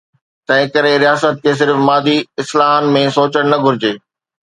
تنهن ڪري، رياست کي صرف مادي اصطلاحن ۾ سوچڻ نه گهرجي.